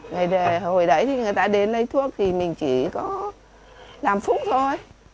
ngày hồi đấy thì người ta đến lấy thuốc thì mình chỉ có làm phúc thôi